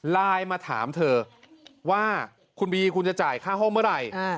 ไลน์มาถามเธอว่าคุณบีคุณจะจ่ายค่าห้องเมื่อไหร่